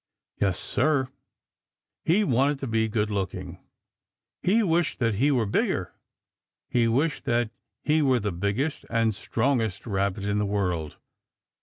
Yes, Sir, he wanted to be good looking. He wished that he were bigger. He wished that he were the biggest and strongest Rabbit in the world.